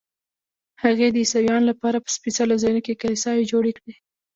هغې د عیسویانو لپاره په سپېڅلو ځایونو کې کلیساوې جوړې کړې.